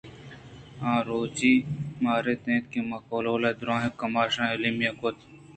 آروچی مارایاِت اِنت کہ ماکہول ءِدُرٛاہیں کماش ایمیلیا کُت